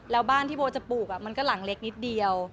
แล้วบ้านที่โบจะปลูกมันก็หลังเล็กนิดเดียว